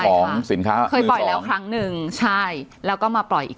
ของสินค้าเคยปล่อยแล้วครั้งหนึ่งใช่แล้วก็มาปล่อยอีก